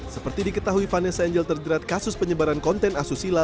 seperti diketahui vanessa angel terjerat kasus penyebaran konten asusila